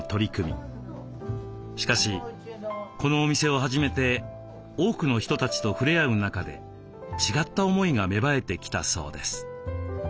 しかしこのお店を始めて多くの人たちと触れ合う中で違った思いが芽生えてきたそうです。